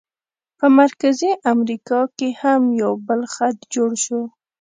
په مرکزي امریکا کې هم یو بل خط جوړ شو.